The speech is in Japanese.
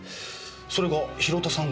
それが広田さん